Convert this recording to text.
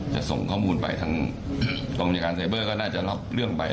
ส่งข้อมูลไปทางกรมบริการไซเบอร์ก็น่าจะรับเรื่องไป